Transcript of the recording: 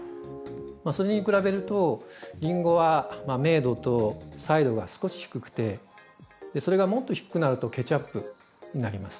それに比べるとりんごは明度と彩度が少し低くてそれがもっと低くなるとケチャップになります。